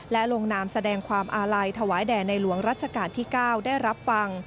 และลงนามแสดงความอาลัยถวายแด่ในหลวงรัชกาลที่๙ได้รับฟัง